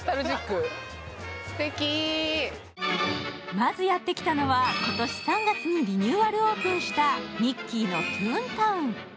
まずやってきたのは、今年３月にリニューアルオープンした、ミッキーのトゥーンタウン。